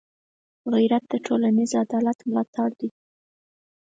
غیرت د ټولنيز عدالت ملاتړی دی